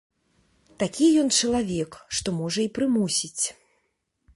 Такі ён чалавек, што можа і прымусіць.